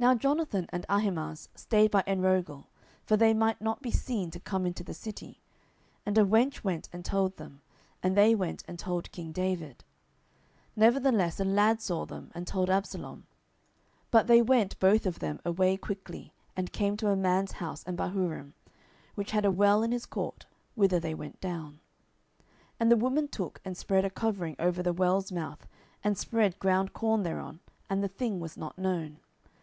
10:017:017 Now Jonathan and Ahimaaz stayed by Enrogel; for they might not be seen to come into the city: and a wench went and told them; and they went and told king David. 10:017:018 Nevertheless a lad saw them, and told Absalom: but they went both of them away quickly, and came to a man's house in Bahurim, which had a well in his court; whither they went down. 10:017:019 And the woman took and spread a covering over the well's mouth, and spread ground corn thereon; and the thing was not known.